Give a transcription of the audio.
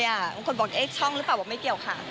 บางคนบอกเอ๊ะช่องหรือเปล่าบอกไม่เกี่ยวค่ะ